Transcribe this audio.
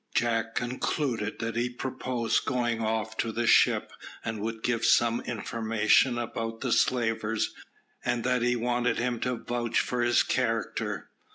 Jack concluded that he proposed going off to the ship, and would give some information about the slavers, and that he wanted him to vouch for his character.